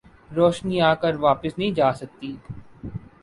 روشنی آکر واپس نہیں جاسکتی